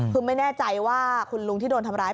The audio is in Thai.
คือไม่แน่ใจว่าคุณลุงที่โดนทำร้าย